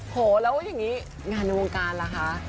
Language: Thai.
โหแล้วอย่างนี้งานในวงการล่ะคะ